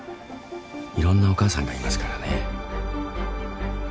いろんなお母さんがいますからね。